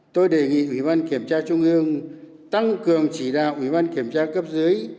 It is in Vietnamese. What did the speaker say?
tôi đề nghị ủy ban kiểm tra trung ương tăng cường chỉ đạo ủy ban kiểm tra cấp dưới